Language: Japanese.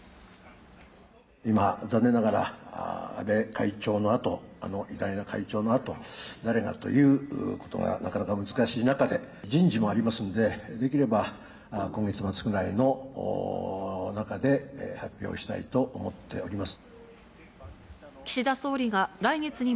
今、残念ながら、安倍会長のあと、あの偉大な会長のあと、誰がということがなかなか難しい中で、人事もありますんで、できれば今月末くらいの中で、発表したいと思っております。